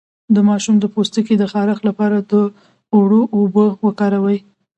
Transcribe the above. د ماشوم د پوستکي د خارښ لپاره د اوړو اوبه وکاروئ